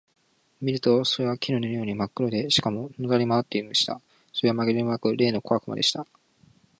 見るとそれは木の根のようにまっ黒で、しかも、のたくり廻っているのでした。それはまぎれもなく、例の小悪魔でした。